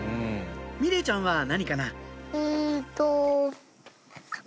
美玲ちゃんは何かな？